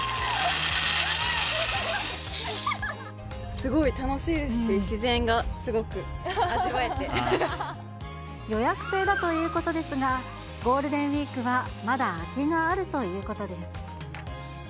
すごい楽しいですし、予約制だということですが、ゴールデンウィークはまだ空きがあるということです。